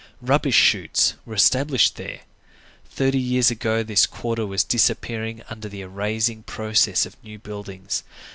Rubbish shoots were established there. Thirty years ago, this quarter was disappearing under the erasing process of new buildings.